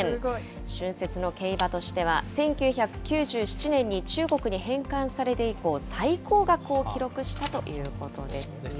春節の競馬としては、１９９７年に中国に返還されて以降、最高額を記録したということですよ。